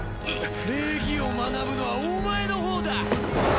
礼儀を学ぶのはお前のほうだ！